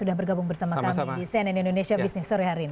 sudah bergabung bersama kami di cnn indonesia business sore hari ini